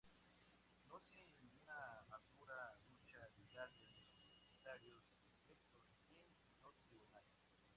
No sin una ardua lucha legal de los propietarios directos en los tribunales.